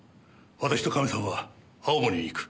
私とカメさんは青森に行く。